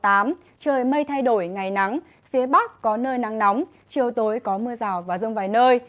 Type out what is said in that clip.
trời mây thay đổi ngày nắng phía bắc có nơi nắng nóng chiều tối có mưa rào và rông vài nơi